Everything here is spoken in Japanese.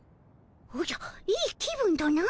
おじゃいい気分とな？